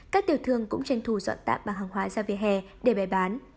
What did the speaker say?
các tiểu thương cũng tranh thủ dọn tạm bằng hàng hóa ra về hè để bày bán